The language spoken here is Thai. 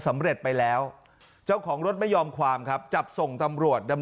สำเร็จไปแล้วเจ้าของรถไม่ยอมความครับจับส่งตำรวจดำ